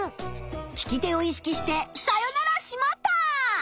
聞き手を意識してさよなら「しまった！」。